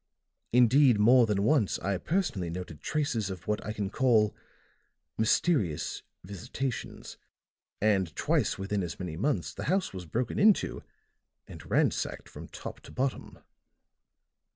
Indeed, more than once I personally noted traces of what I can call mysterious visitations. And twice within as many months the house was broken into and ransacked from top to bottom."